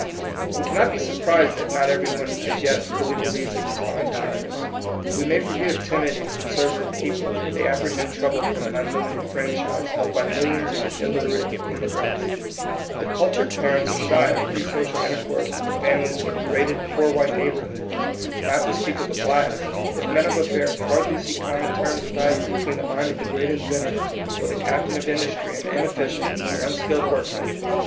We cannot be surprised that not every one as yet really believes in these fine doc trines. We may forgive timid and con servative people, if they apprehend trouble from an unlimited franchise held by mil lions of illiterate immigrants ; if cultured parents are shy of free social intercourse with the families of a degraded poor white neighborhood — not to speak of the blacks ; if men of affairs hardly see common terms of value between the mind of the great inventor or the captain of industry and the inefficient and unskilled workman.